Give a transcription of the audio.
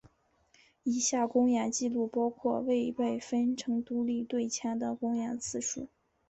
以下公演记录包括未被分成独立队前的公演次数。